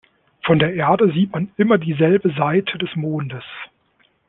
Von der Erde sieht man immer dieselbe Seite des Mondes.